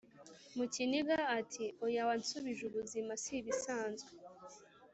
mukiniga ati"oya wansubije ubuzima sibisanzwe"